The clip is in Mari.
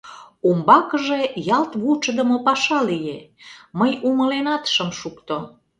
Умбакыже ялт вучыдымо паша лие, мый умыленат шым шукто.